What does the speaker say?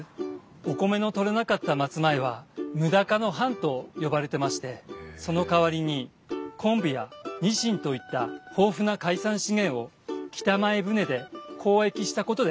お米の取れなかった松前は無高の藩と呼ばれてましてそのかわりに昆布やニシンといった豊富な海産資源を北前船で交易したことで栄えたんです。